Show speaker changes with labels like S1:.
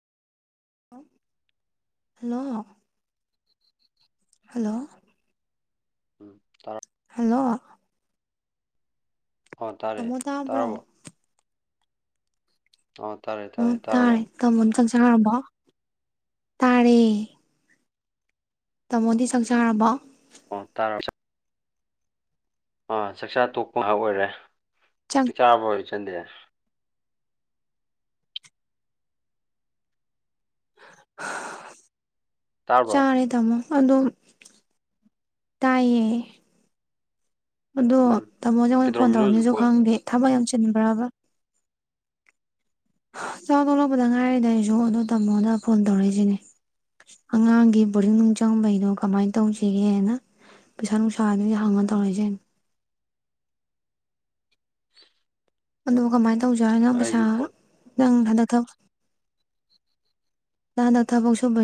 S1: ꯎꯝ hello hello
S2: ꯎꯝ ꯇꯥꯔ
S1: hello
S2: ꯑ ꯇꯥꯔꯦ
S1: ꯇꯥꯃꯣ ꯇꯥꯕ꯭ꯔꯣ
S2: ꯇꯔꯕꯣ ꯑꯣ ꯇꯥꯔꯦ
S1: ꯑꯣ ꯇꯥꯔꯦ ꯇꯥꯃꯣ ꯆꯥꯛ ꯆꯥꯔꯕꫭ ꯇꯥꯔꯦ ꯇꯥꯃꯣꯗꯤ ꯆꯥꯛ ꯆꯔꯕꫭ
S2: ꯑ ꯇꯥꯔ ꯆꯥꯛ ꯑꯥ ꯆꯥꯛꯆꯥ ꯇꯣꯛꯄ ꯉꯥꯏꯍꯥꯛ ꯑꯣꯏꯔꯦ ꯆꯥꯛ ꯆꯥꯔꯕꫭ ꯏꯆꯟꯗꯤ
S1: ꯍꯥ
S2: ꯇꯥꯔꯕ꯭ꯔꯣ
S1: ꯆꯔꯦ ꯇꯥꯃꯣ ꯑꯗꯣ ꯇꯥꯏꯌꯦ ꯑꯗꯣ
S2: ꯎꯝ
S1: ꯇꯥꯃꯣꯅ ꯍꫭꯔꯦꯟ ꯐꯣꯟ
S2: ꯀꯩꯗꯧꯔꯝꯃꯤꯅꯣ
S1: ꯇꯧꯔꯛꯅꯤꯁꯨ
S2: ꯍꯧꯖꯤꯛꯄꯣ
S1: ꯈꯪꯗꯦ ꯊꯕꯛ ꯌꯥꯝ ꯆꯤꯟꯕ꯭ꯔꯕ ꯆꯥꯛ ꯊꯣꯛꯂꯛꯄꯗ ꯉꯥꯏꯔꯤꯗ ꯑꯩꯁꯨ ꯑꯗꯨ ꯇꯃꯣꯅ ꯐꯣꯟ ꯇꯧꯔꯛꯏꯁꯤꯅꯦ ꯑꯉꯥꯡꯒꯤ ꯕꫭꯔꯗꯤꯡ ꯅꯨꯡ ꯆꯪꯕꯩꯩꯗꫭ ꯀꯃꯥꯏ ꯇꯧꯁꯤꯒꯦꯅ ꯄꯩꯁꯥ ꯅꯨꯡꯁꯥ ꯒꯤꯅꯦ ꯍꯡꯉ ꯇꯧꯔꯛꯏꯁꯦ ꯑꯗꫭ ꯀꯃꯥꯏ ꯇꯧꯖꯦ ꯍꯥꯏꯅꫭ ꯄꯩꯁꯥ
S2: ꯑꯩꯁꯨ ꯐꯣꯟ
S1: ꯅꯪ ꯍꯟꯗꯛ ꯊꯕ ꯅꯡ ꯍꯟꯗꯛ ꯊꯕꯧ ꯁꯨꯝꯕꯩ